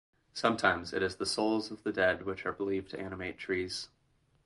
Sometimes it is the souls of the dead which are believed to animate trees.